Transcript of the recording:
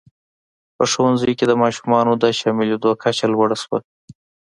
په ښوونځیو کې د ماشومانو د شاملېدو کچه لوړه شوه.